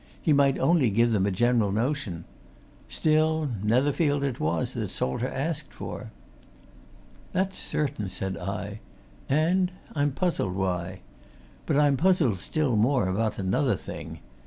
He might only give them a general notion. Still Netherfield it was that Salter asked for." "That's certain," said I. "And I'm puzzled why. But I'm puzzled still more about another thing.